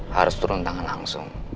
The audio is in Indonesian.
harus turun tangan langsung